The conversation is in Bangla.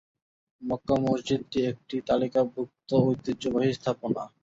মক্কা মসজিদটি একটি তালিকাভুক্ত ঐতিহ্যবাহী স্থাপনা।